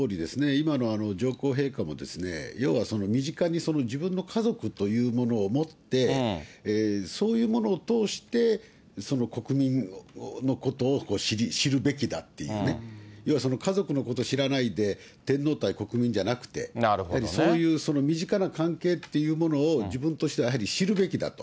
今の上皇陛下も、要は身近に自分の家族というものを持って、そういうものを通して、国民のことを知るべきだっていうね、要は、家族のことを知らないで、天皇対国民じゃなくて、やはりそういう身近な関係っていうものを、自分としてはやはり知るべきだと。